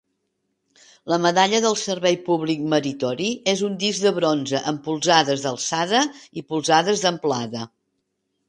La Medalla del servei públic meritori és un disc de bronze amb polzades d'alçada i polzades d'amplada.